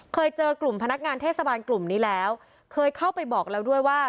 เคยเจอกลุ่มพนักงานเทศบาลกลุ่มนี้แล้วเคยเข้าไปบอกแล้วด้วยว่า